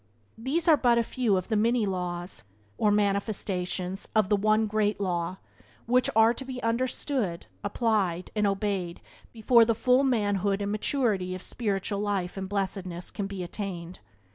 These are but a few of the many laws, or manifestations of the One Great Law, which are to be understood, applied and obeyed before the full manhood and maturity of spiritual life and blessedness can be attained.